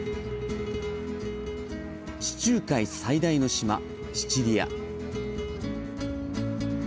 地中海最大の島シチリア。